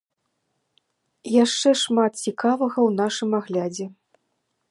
Яшчэ шмат цікавага ў нашым аглядзе.